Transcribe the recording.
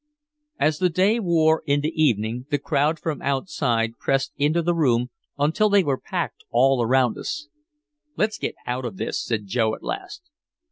As the day wore into evening the crowd from outside pressed into the room until they were packed all around us. "Let's get out of this," said Joe at last.